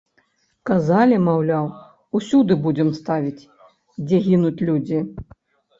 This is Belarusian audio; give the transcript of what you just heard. Казалі, маўляў, усюды будзем ставіць, дзе гінуць людзі?